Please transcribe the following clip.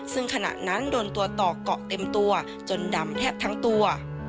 ซึ่งขณะนั้นโดนตัวต่อเกาะเต็มตัวจนดำแทบทั้งตัว